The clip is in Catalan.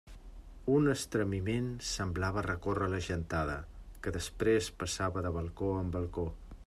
Un estremiment semblava recórrer la gentada, que després passava de balcó en balcó.